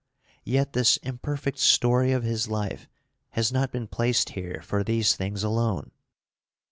Yet this imperfect story of his life has not been placed here for these things alone.